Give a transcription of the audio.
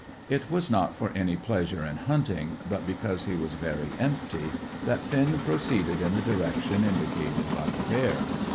It was not for any pleasure in hunting, but because he was very empty, that Finn proceeded in the direction indicated by the bear.